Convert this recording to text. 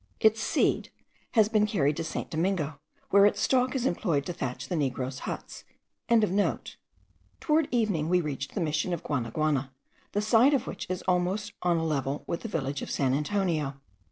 Its seed has been carried to St. Domingo, where its stalk is employed to thatch the negroes' huts.) Towards evening we reached the Mission of Guanaguana, the site of which is almost on a level with the village of San Antonio.